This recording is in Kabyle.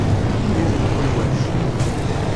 Ay udem n uqelwac!